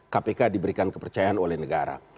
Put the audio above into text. kpk diberikan kepercayaan oleh negara